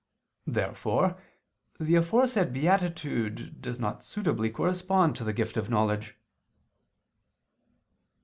Therefore the aforesaid beatitude does not suitably correspond to the gift of knowledge.